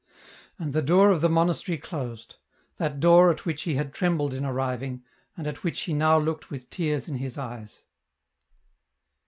And the door of the monastery closed ; that door at which he had trembled in arriving, and at which he now looked with tears in his eyes.